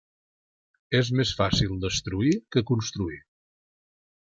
És més fàcil destruir que construir.